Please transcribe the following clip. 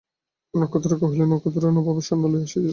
নক্ষত্ররায় কহিলেন, নক্ষত্ররায় নবাবের সৈন্য লইয়া আসিয়াছে।